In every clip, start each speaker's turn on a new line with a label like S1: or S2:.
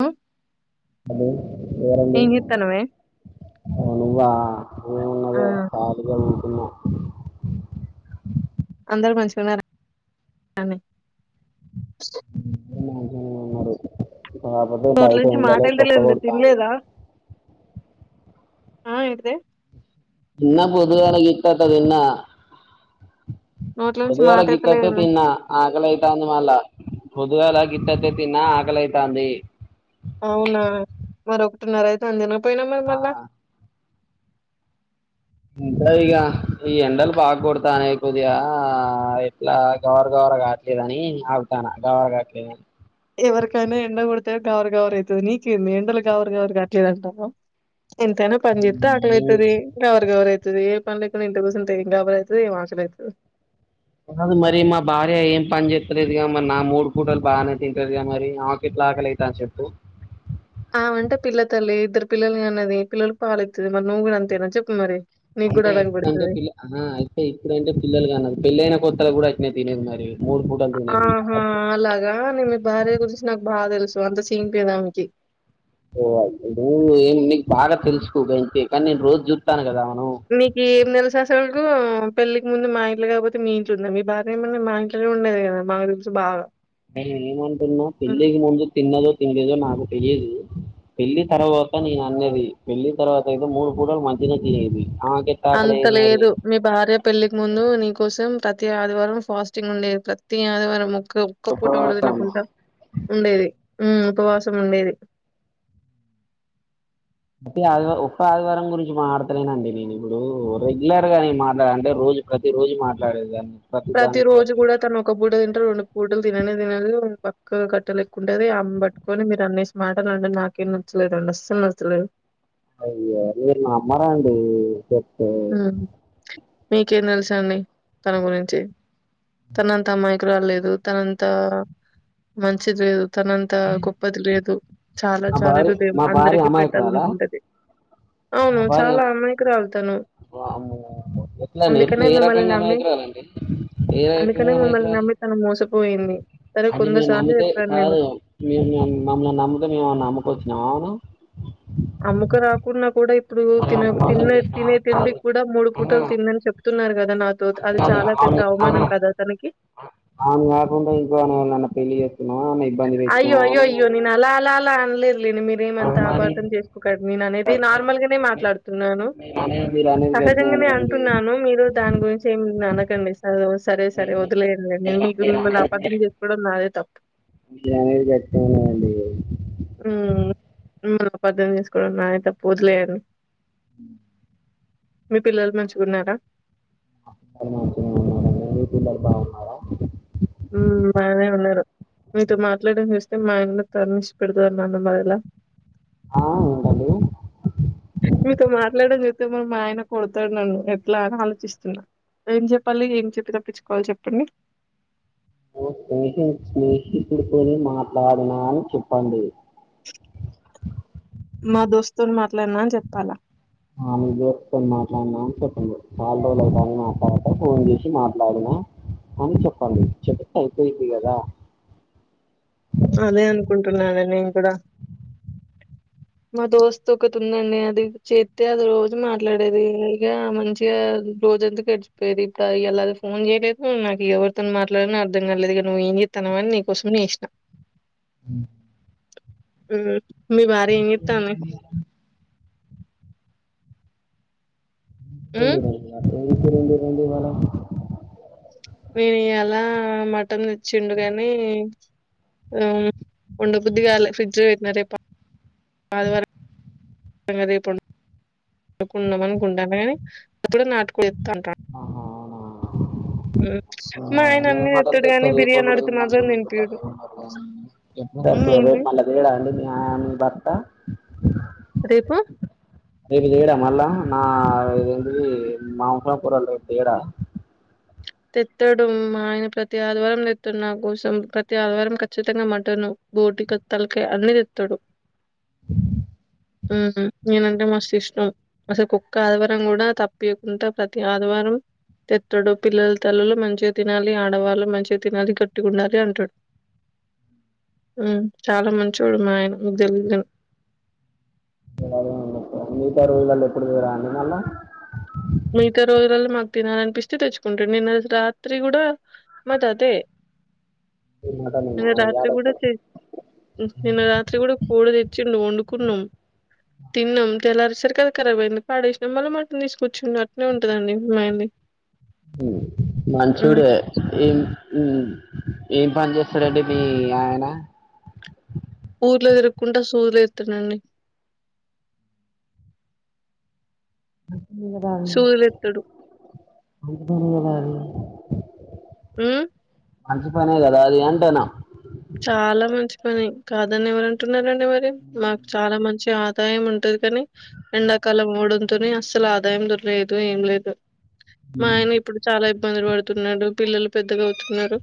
S1: మ్
S2: hello ఎవరండి
S1: చేత్తన్నవే
S2: నువ్వా
S1: ఆ
S2: ఏమున్నది ఖాళీగా ఉన్న
S1: అందరు మంచిగున్నరా అండి
S2: మంచిగనే ఉన్నరు కాబోతే
S1: నోట్ల
S2: బయట
S1: నుంచి మాట
S2: ఉండలే తొక్క
S1: ఎళ్తలేదండి
S2: పుడుతావుంది
S1: తినలేదా ఆ ఏంటిదే
S2: తిన్న బొద్దుగాల గిత్తత్త తిన్నా
S1: నోట్ల నుంచి
S2: పొద్దుగాల
S1: మాట
S2: గిత్తతే
S1: ఎళ్తలేదండి
S2: తిన్న ఆకలైతాంది మళ్ల పొద్దుగాల గిత్తత్తే తిన్నా ఆకలైతాంది
S1: అవునా మరీ ఒకటిన్నర అయితాంది తిన పోయినవ్ మరి మళ్ల
S2: ఇంట్ల ఇగా ఈ ఎండలు బాగ కొడతానై కొద్దిగా ఎట్లా గవర గవర కావట్లేదని ఆగుతాన్న గవర కావట్లేదని
S1: ఎవరికైనా ఎండ కొడితే గవర గవర అయితది, నీకేంది ఎండలు గవర గవర్ కావట్లేదంటాన్నవ్ ఎంతైన పంజేత్తె
S2: కావట్లేదని
S1: ఆకలైతది గవర గవర అయి ఏ పని లేకున్నా ఇంట్ల కూసుంటే గాబర అయితది ఏం ఆకలి అయితది
S2: కాదు మరి మా భార్య ఏం పని చేత్తలేదుగా మరి నా మూడు పూటలు బాగనే తింటది గా మరి ఆమెకెట్లా ఆకలైతాంది చెప్పు
S1: ఆమే అంటే పిల్ల తల్లి, ఇద్దరు పిల్లల్నీ కన్నది, పిల్లలకు పాలు ఇత్తది మరి, నువ్వు కూడ అంతేనా చెప్పు మరీ.
S2: అంటే అంటే పిల్ల అహా అయితే ఇప్పుడంటే పిల్లలు కాన పెళ్ళైన కొత్తల గూడ ఇట్నే తినేది మరి మూడు పూటలు తినేది
S1: ఆహా
S2: అప్పుడు
S1: అలాగా ని మీ భార్య గురించి నాకు బాగా తెలుసు అంత సీన్ పోయేదానికి
S2: ఓ నువ్ నీ బాగా తెల్సుకో గ ఇంతే కానీ నేను రోజూ చూతన్నా కదా మనం
S1: నీకి నెల శాస్రం పెళ్ళలికి ముందు మా ఇంట్ల కాకపోతే మీ ఇంట్లో ఉంద మీ బార్య ఏమన్నా మా ఇంట్లో ఉండేది కదా మాకు తెలుసు బాగా
S2: అ ఏమంటున్నా
S1: హ్మ్.
S2: పెళ్లికి ముందు తిన్నదో ఏదో నాకు తెలియదు పెళ్లి తర్వాత నేను అన్నది పెళ్లికి తర్వాత ఏదో మూడు పూటలు మంచిగనే తీనేది
S1: అంత లేదు మీ భార్య పెళ్ళికి ముందు నీకు కోసం ప్రతి ఆదివారం ఫాస్టింగ్ ఉండేది ప్రతి ఆదివారం ఒ ఒక్క పూట కూడ
S2: ఉపవాసం
S1: తినకుండా ఉండేది ఉ ఉపవాసం ఉండేది
S2: ప్రతి ఆది ఒక్క ఆదివారం గురించి మాట్డతలేనండి నేను ఇప్పుడు రెగ్యులర్ గా నేను మాట్లాడ అంటే రోజు ప్రతి రోజు మాట్లాడేదాన్ని
S1: ప్రతి రోజు కూడా తను ఒక పూట తింటరూ రెండు పూటలు తిననే తినదు ఉ కట్టలేకు కుంటది ఆమేనిపట్టుకొని మీరు అన్నీ మాటలు అంటే నాకేం నచ్చలేదు అండి అస్సలు నచ్చలేదు
S2: అయ్యా మీరు నమ్మరండి చెప్
S1: మ్ మీకేం తెలుసండి తన గురించి తనంతా మైక్రో లేదు తనంతా మంచిది లేదు తనంత గొప్పది లేదు చాలా
S2: మా
S1: చాలా
S2: భార్య
S1: హృదయం
S2: మా భార్య
S1: అందరికీ
S2: అమాయకురాలా
S1: పెట్టాలనుకుంటది అవును
S2: మా భార్య
S1: చాలా అమాయికరాలు
S2: వామ్మో ఎట్లండి ఎట్ల
S1: అందుకనే
S2: ఏ
S1: మిమ్మల్ని
S2: రకంగా
S1: నమ్మి
S2: అమాయికురాలండి ఏ
S1: అందుకనే
S2: రకంగా
S1: మిమ్మల్ని
S2: అమయికురాలు
S1: నమ్మి తను మోసపోయింది సరే
S2: అంటే
S1: కొంద
S2: మేము
S1: సార్లు
S2: నమ్మితే
S1: చెప్పాను నేను
S2: కాదు మేము మమ్మల్ని నమ్మితే మేమేమన్నా అమ్ముకొచ్చినామా
S1: అమ్ముక రాకున్నా కూడా ఇప్పుడు
S2: మనం
S1: తిన
S2: ఏమన్నా మోసం
S1: తిన్న
S2: చేసినామా
S1: తినే తిండి
S2: కాదు
S1: కూడా మూడు పూటలు తిందని చెప్త తున్నారు కద
S2: అదికాదు ఆహా
S1: తనకి
S2: ఆమెనికాకుండ ఇంకెవల్నన పెళ్ళి చేసు
S1: అయ్యో అయ్యో అయ్యయో నేన అలాఅలాఅన మీరేమంతా ఆపార్ధం చేసుకోకండి నేను అనేది నార్మల్ గానే మాట్లాడుతున్నాను
S2: మీరు అనేది మీరు అనేది గట్టినే
S1: సహజంగానే
S2: ఉన్నదండి
S1: అంటున్నాను మీరు దాని గురించి ఏమి అన టెన్ మినిట్స్ అ సరే సరే వదిలేడిం మేం మీకు మిమల్ని అపార్థం చేసుకోవడం నాదే తప్పు
S2: గట్టడి
S1: మ అద్ధం చేసుకోవడం నా తప్పు వదిలేయని
S2: అ
S1: మీ పిల్లలు మంచిగున్నారా
S2: ఉంచి ఉన్నా పిల్లలు బాగున్నార
S1: ఉమ బయనే ఉన్నారు మీతో మాట్లాడడం చూస్తే మాయనన్ను తన్ని పెడత నాన్న బాయిలా
S2: ఆ ఉండాలి
S1: అ మరి మా ఆయన కొడతాడు నన్ను ఎట్లా అని ఆలోచిస్తున్నా ఏం చెప్పాలి ఏం చెప్పి తప్పించుకోవాలి చెప్పండి
S2: ఓ స్ స్నేహితుడుతోని మాట్లాడినా అని చెప్పండి
S1: మా దోస్తుని మాట్లాడినా అని చెప్పాలా
S2: ఆ మీ దోస్త్ తో మాట్లాడినా అని చెప్పండి చాలా రోజుల అయితాంది పాప ఫోన్ చేసి మాట్లాడినా అని చెప్పండి చెప్పతే అయిపోయింది కదా
S1: అదే అనుకుంటున్నాను నేను కూడా మా దోస్తుత్ ఒకటి ఉందండి అది చేస్తతే అది రోజు మాట్లాడేది ఇ మంచిగా రోజంతకు గడిచిపోయేది ఇప్పుడు ఎలా అది ఫోన్ చేయలేదు నాకు ఎవరితోను మాట్లాడ అర్థం కాలలేదు ఇ నువ్వు ఏం చేస్తావ అని నీకోసం నేసినా మీ భార్య ఏం చేస్తాంది
S2: తె
S1: ఉమ్
S2: రండి రండి రండి మేడం
S1: నేను ఇయాలా మటన్ తెచ్చిండు కాని వండబుద్ది కాలే ఫ్రిడ్జ్ లో పెట్టినా రేపుద రేపుకుండం అదివారం అనుకుంటాను కానీ అప్పుడ నాటుకు ఎస్తంటాను
S2: ఆహా
S1: అ
S2: అనమాట అంత తెలియపోనుడుందే
S1: మాత్రం
S2: మీకు
S1: తినిపియడు. మ్
S2: బప్పుడు
S1: ఏంటి
S2: రేపు మళ్ళ తడా అండి న్యా భర్త
S1: రేపు
S2: రేపుతే ఏడా మళ్ళ నా ఇది మాంసం పరాల రపు ఏడా
S1: తెత్తాడు మా ఆయన ప్రతి ఆదివారం తెత్తున్న కోసం ప్రతి ఆదివారం ఖచ్చితంగా మటన్ బోటి కొ తలకా అన్ని తెత్తాడు నేనంటే మస్తు ఇష్టం అసలు కుక్క ఆదివారం కూడా తప్పయకుండా ప్రతి ఆదివారం తెత్తుడు పిల్లల తల్లలు మంచిగా తినాలి ఆడవాళ్ళు మంచిగా తినాలి గట్టి ఉండాలి అంటాడు చాలా మంచోడు మా ఆయన తెలిదా
S2: మిగతా రోజుల్లో ఎప్పుడు త్యారా అండి మళ్ళా
S1: మీగతే రోజులలో మా తినాలనిపిస్తే తెచ్చుకుంటాడి నిన్న రాత్రి కూడా మాది అదే
S2: ఈ మటనేనా
S1: నిన్న రాత్రి
S2: యాడ
S1: కూడా తె నిన్న రాత్రి కోడి కూర తెచ్చిండు వండుకున్నాం తిన్నాం తెల్లారు సరి కలా కరాబ్ అయింది పాడేసినం మళ్ళీ మటన్ తీసుకు కూున్నట్నే ఉంటదండింది
S2: మంచోడు ఏం ఏం పని చేస్తారండి మీ ఆయన
S1: సూర్లు తిరుగకుండా సూర్లు ఇతునండి
S2: అ
S1: సూదులేత్తడు.
S2: దద
S1: ఉమ్
S2: మంచిపనే కదా అది అంటేనా
S1: ని కాదని ఎవరంటున్నారండి మరి మాకు చాలా మంది మంచి ఆదాయం ఉంటది కాని ఎండాకాలం ఓడంతోని అస్సలు ఆదాయం దొరలేదు ఏం లేదు మా ఆయన ఇప్పుడు చాలా ఇబ్బందులు పడుతున్నాడు పిల్లలు పెద్దగా అవుతున్నారు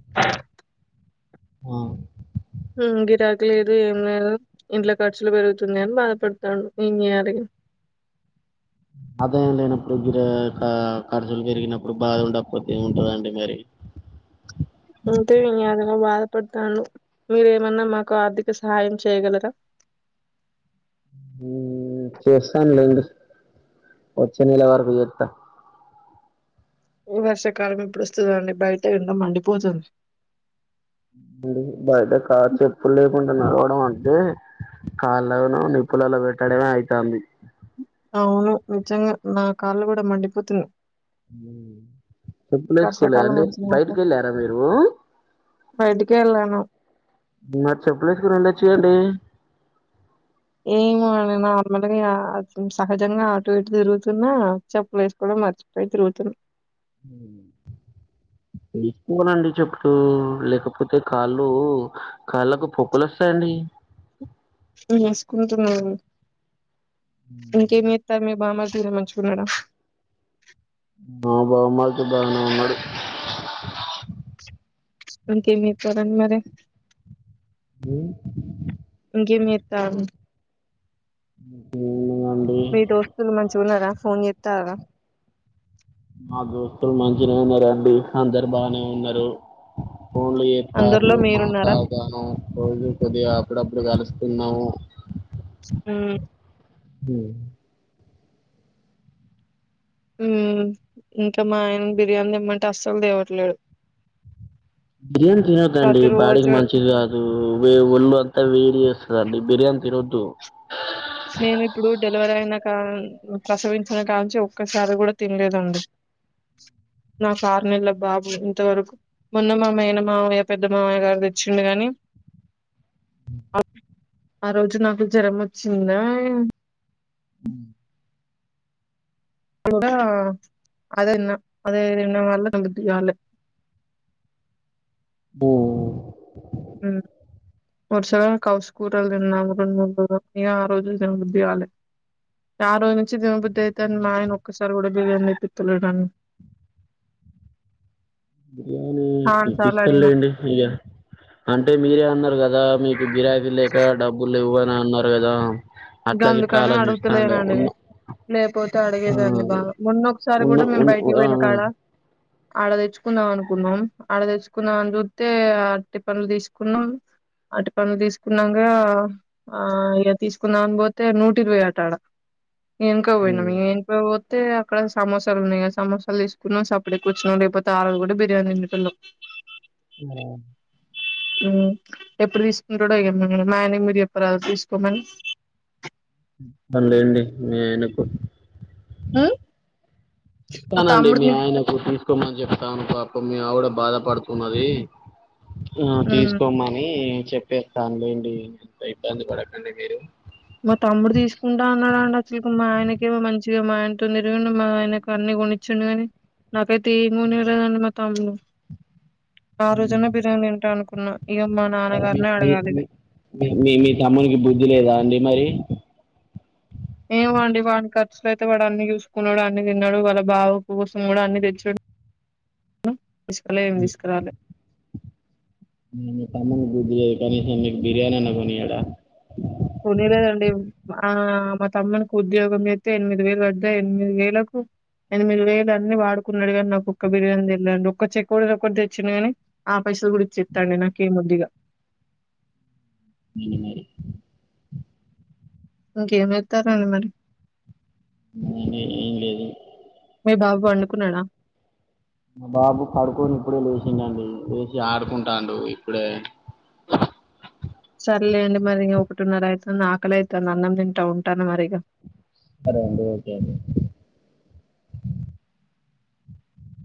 S2: ఉ
S1: గిరాకి లేదు ఏం లేదు ఇంట్లో ఖర్చులు పెరుగుతుంది అని బాధపడతాడు ఏం చేయాలి
S2: అదే అండి ఇప్పుడు గిర క ఖర్చులు పెరిగినప్పుడు బాగా ఉండపోతే ఉంటదండి మరి
S1: బాధపడతాను మీరేమన్నా మాకు ఆర్థిక సహాయం చేయగలరా
S2: వచ్చింది లవర్ పోయిత్త
S1: ఈ వర్షాకాలం ఇప్పుడు వస్తుందొ అండి బయట ఎండ మండి పోతుంది
S2: డి బయట కా చెప్పులు లేకుండా నడవడం అంటే కాళ్ళను నిప్పులలో పెట్టడమే అయితాంది
S1: అవును నిజంగా నా కాళ్ళు కూడా మండిపోతునాయ్
S2: చెప్పులేసు కోలేదా
S1: వర్షాకాలం
S2: అండి బయటికి
S1: వచ్చినాక
S2: వెళ్ళారా మీరు
S1: బయటికి వెళ్ళాను
S2: మరి చెప్పులేసుకని వెళ్ళొచ్చుగా అండి
S1: ఏమో నార్మల్గా సహజంగా ఆటో ఇటు తిరుగుతున్నా చెప్పులు వేసుకో మర్చిపోయి తిరుగుతున్నా
S2: వేసుకోవాలండి చెప్పులు లేకపోతే కాళ్ళు కాళ్ళకు పొక్కులు వస్తాయండి
S1: వేసుకుంటన్నా ఇంకేమి చేస్తన్నారు మామ [unintelligible] మంచిగున్నాడ
S2: మా బామర్ది బానే ఉన్నాడు
S1: ఇంకేం చేస్తున్నారు మరి
S2: ఉ
S1: ఇంకేం చేస్తన్నారు
S2: ఏముందండి
S1: మీ దోస్తులు మంచిగున్నారా ఫోన్ చెస్తానారా
S2: మా దోస్తులు మంచిగానే ఉన్నరండి అందరు బానే ఉన్నారు ఫోన్లు చేస్తారు
S1: అందరిలో మీరున్నారా
S2: మాట్లాడతాను రోజు కొద్దిగా అప్పుడప్పుడు కలి ఉన్నాము
S1: ఉమ్
S2: ఉ
S1: ఇంకా మా ఆయన బిర్యానీ తేమ్మంటే అస్సలు దేవట్లేదు
S2: బిర్యానీ తినకండి బాడికి మంచిది కాదు వే ఒళ్ళు అంతా వేడిచే అండి బిర్యానీ తినోద్దు
S1: నేను ఇప్పుడు డెలివరీ అయిన కా ప్రసవించిన కాలంచి ఒక్కసారి కూడా తినలేదండి నా కరు నెల బాబు ఇంతవరకు మొన్న మామయైన మావయ్య పెద్ద మావయ్య గారు తెచ్చిడు కాగాని ఆ రోజు నాకు జ్వరం వచ్చి చింద
S2: ఉమ్
S1: అ అదేన్న అదేన్న [unintelligible] కాలే
S2: బో
S1: ఒక్కసారి అయినా కౌసుకూరలు తిన్నాను [unintelligible] ఆ రోజు దినబుద్ధివ్వాలి ఆ రోజు నుంచి దినబుద్ధి అయితేని మా ఆయన ఒక్కసారి కూడా బిర్యానీ తేపితలేదు
S2: చూపిస్తారులేండి ఇక అంటే మీరే అన్నారు కదా మీకు గిరాకీ లేక డబ్బులు లేవ్వని అన్నారు కదా
S1: ఇంకా
S2: అట్లా గిట్లా
S1: అందుకని
S2: ఆలోచిస్తాండు
S1: అడుగుతలేనండి
S2: ఉన్న
S1: లేకపోతే
S2: ఆ
S1: అడిగేదాన్ని బాగా మొన్న ఒకసారి
S2: ఉన్న
S1: కూడా నేను
S2: ఉన్
S1: బయటికి
S2: ఆ
S1: పోయిన కాడ ఆడ తెచ్చుకుందాం అనుకున్నాం ఆడ తెచ్చుకుందాం అని చూతే అటి పనులు తీసుకున్నాం అటి పనులు తీసుకున్నాక ఆ ఇక తీసుకు కున్నాను పోతే నూట ఇరవై ఆట ఆడా ఏనుకో పోయినం ఏనుకో పో అయితే అక్కడ సమోసాలు ఉన్నాయా సమోసాలు తీసుకున్నా సపడేట్ కూర్చున్నాం లేకపోతే ఆ రజు కూడా బిర్యానీ తల్లో
S2: ఆ
S1: ఎప్పుడు తీసుకుంటడుఎమో మా ఆయనే మీరు చేప్పరా తీసుకోమని
S2: లేండి మీ ఆయనకు
S1: అ
S2: చెప్తానండి మీ ఆయనకు తీసుకుమని చెప్తాను పా ఇ మీ ఆవిడ బాధపడుతున్నది ఆ
S1: ఉమ్
S2: తీసుకోమని చెప్పేస్తా న్లేండిఎంత ఇబ్బంది పడకండి మీరు
S1: మా తమ్ముడు తీసుకుంటా అన్నాడుండి అసలు మా ఆయనకేమో మంచిగా మా ఆయనతో నిరగడి మా ఆయనకు అన్ని కొనిచ్చండు కాని నాకైతే ఎం కొనేలేదండి మా తమ్ముడు ఆ రోజున్నా బిర్యానీ తింటా అనుకున్నా ఇగ మా నాన్నగారినే అడగాలి ఇగ
S2: మీ తమ్మునికి బుద్ధి లేదా అండి మరి
S1: ఏమండి వాడి ఖర్చులు అయితే వాడు అన్ని చూసుకున్నాడు అన్ని తిన్నాడు వాళ్ళ బావ కోసం కూడా అన్ని తెచ్చాడు తీసుకులే ఏం తీసుకురాలే
S2: మ గుద్జ కనీసం మీకు బిర్యానీ నా కొనీ ఎడాయడా
S1: కొనీలేదండి ఆ మా తమ్మకు ఉద్యోగం అయితే ఎనిమిది వేలు పడద ఎనిమిది వేలకు ఎనిమిది వేలు అన్నిీ వాడుకున్నాడు కాని నాకు ఒక్క బిర్యానీ తెళ్ళండి ఒ చెక్కటి ఒకటి తెచ్చింది కాని ఆ పైసలు గు చెస్తండి నాకే ముద్దిగా
S2: మీని మరి
S1: ఇంకేం వెతారండి మరి
S2: ఏం లేదు
S1: బాబు అనుకున్నాడా
S2: మా బాబు కడుకొని ఇప్పుడే లేచిండండి లేచి ఆడుకుంటాడు ఇప్పుడే
S1: ర్లే అండి మరి ఒకటి ఉన్నర అవుతుంది ఆకలి అవుతుంది అన్నం తింటా ఉంటాను మరిక
S2: సరే అండి ఓకే అండి